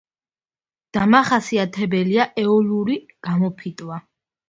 დამახასიათებელია ეოლური გამოფიტვა.